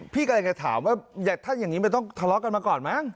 พี่กำลังจะถามว่าถ้าอย่างนี้มันต้องทะเลาะกันมาก่อนมั้ง